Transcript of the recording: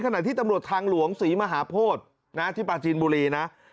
ขณะที่ตำรวจทางหลวงศรีมหาโพธิที่ปลาจีนบุรีนะ